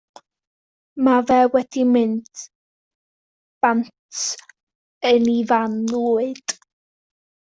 Ma' fe wedi mynd bant yn 'i fan lwyd.